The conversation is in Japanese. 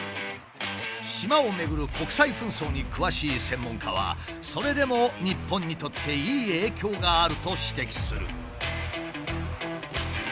島をめぐる国際紛争に詳しい専門家はそれでも日本にとっていい影響があると指摘する。